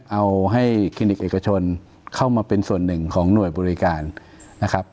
เอาให้คลินิกเอกชนเข้ามาเป็นส่วนหนึ่งของหน่วยบริการนะครับ